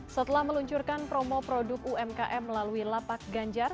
setelah meluncurkan promo produk umkm melalui lapak ganjar